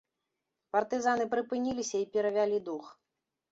Партызаны прыпыніліся і перавялі дух.